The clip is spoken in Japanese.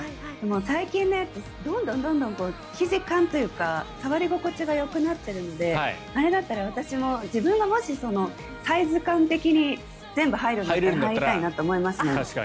最近のやつどんどん生地感というか触り心地がよくなっているのであれだったら私も自分がもしサイズ感的に全部入るなら入りたいなと思いますね。